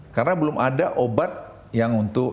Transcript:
karena belum ada obat yang untuk